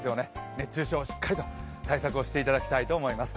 熱中症、しっかりと対策していただきたいと思います。